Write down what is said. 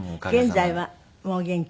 現在はもうお元気？